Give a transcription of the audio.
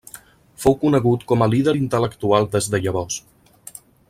Fou conegut com a líder intel·lectual des de llavors.